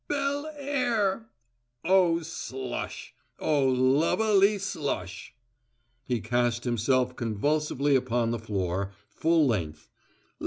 Bel air! Oh, slush! Oh, luv a ly slush!" He cast himself convulsively upon the floor, full length.